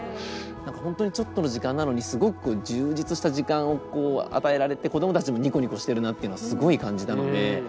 本当にちょっとの時間なのにすごく充実した時間をこう与えられて子どもたちもニコニコしてるなっていうのはすごい感じたので。